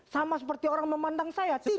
sama seperti orang memandang saya